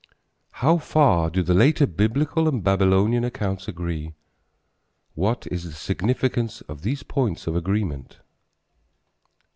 How far do the later Biblical and Babylonian accounts agree? What is the significance of these points of agreement?